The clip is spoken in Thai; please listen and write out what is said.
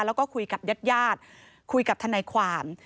แล้วก็คุยกับยัดคุยกับธนายความ